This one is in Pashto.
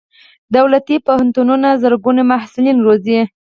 دولتي پوهنتونونه زرګونه محصلین روزي.